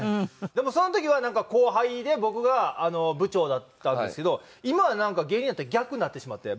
でもその時はなんか後輩で僕が部長だったんですけど今はなんか芸人になったら逆になってしまって。